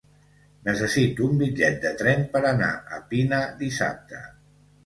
Necessito un bitllet de tren per anar a Pina dissabte.